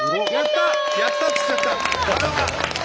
「やった」っつっちゃった。